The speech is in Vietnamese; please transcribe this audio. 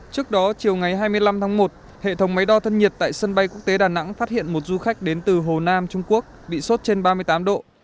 trước đó chiều ngày hai mươi năm tháng một hệ thống máy đo thân nhiệt tại sân bay quốc tế đà nẵng phát hiện một du khách đến từ hồ nam trung quốc bị sốt trên ba mươi tám độ